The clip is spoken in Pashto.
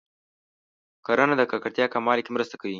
کرنه د ککړتیا کمولو کې مرسته کوي.